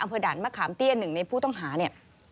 อบตรหนึ่งในผู้ต้องหาเนี่ย